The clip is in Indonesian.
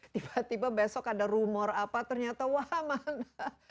tiba tiba besok ada rumor apa ternyata wah mana